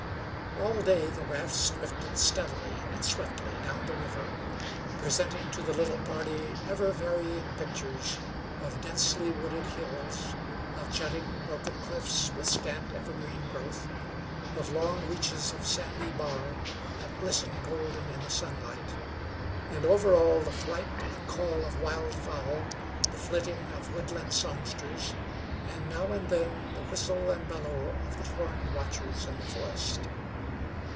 All day the rafts drifted steadily and swiftly down the river, presenting to the little party ever varying pictures of densely wooded hills, of jutting, broken cliffs with scant evergreen growth; of long reaches of sandy bar that glistened golden in the sunlight, and over all the flight and call of wildfowl, the flitting of woodland songsters, and now and then the whistle and bellow of the horned watchers in the forest.